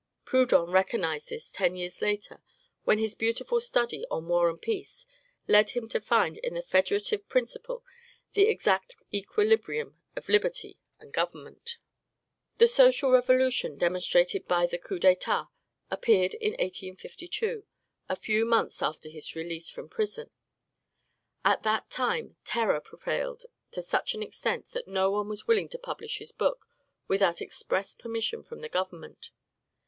Proudhon recognized this ten years later, when his beautiful study on "War and Peace" led him to find in the FEDERATIVE PRINCIPLE the exact equilibrium of liberty and government. "The Social Revolution Demonstrated by the Coup d' Etat" appeared in 1852, a few months after his release from prison. At that time, terror prevailed to such an extent that no one was willing to publish his book without express permission from the government.